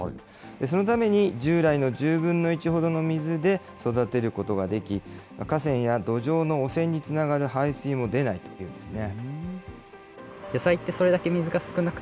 そのために、従来の１０分の１ほどの水で育てることができ、河川や土壌の汚染につながる排水も出ないというんですね。